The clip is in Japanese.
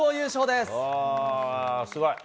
すごい。